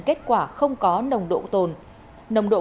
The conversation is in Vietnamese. kết quả không có nồng độ cồn và âm tính với ma túy